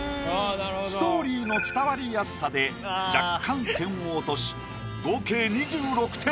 ストーリーの伝わりやすさで若干点を落とし合計２６点。